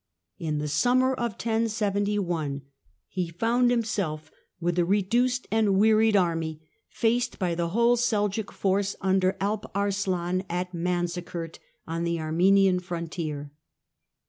In the summer of 1071 he found himself, with a reduced and wearied army, faced by the whole Seljuk force under Alp Arslan at Manzikert, on the Armenian frontier.